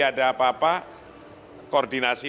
ada apa apa koordinasi